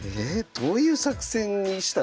どういう作戦にしたらええの？